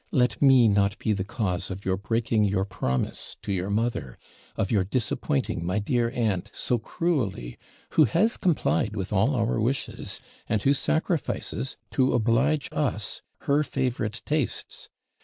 Let me not be the cause of your breaking your promise to your mother; of your disappointing my dear aunt, so cruelly, who has complied with all our wishes, and who sacrifices, to oblige us, her favourite tastes.